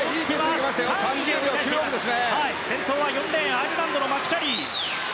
先頭は４レーンのアイルランドのマクシャリー。